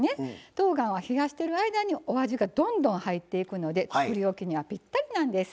とうがんは冷やしてる間にお味がどんどん入っていくのでつくりおきにはぴったりなんです。